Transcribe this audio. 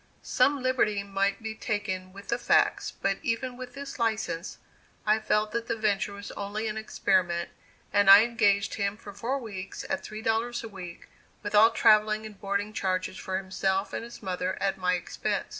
Some liberty might be taken with the facts, but even with this license, I felt that the venture was only an experiment, and I engaged him for four weeks at three dollars a week, with all travelling and boarding charges for himself and his mother at my expense.